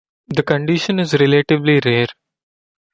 The condition is relatively rare.